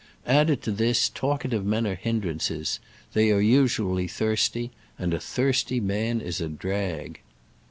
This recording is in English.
Added to this, talkative men are hindrances : they are usually thirsty, and a thirsty man is a drag.